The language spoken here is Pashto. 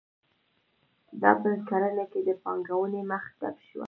دا په کرنه کې د پانګونې مخه ډپ شوه.